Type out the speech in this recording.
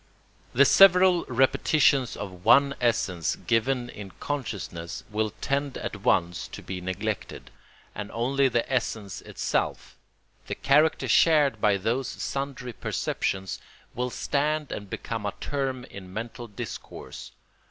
The several repetitions of one essence given in consciousness will tend at once to be neglected, and only the essence itself—the character shared by those sundry perceptions—will stand and become a term in mental discourse.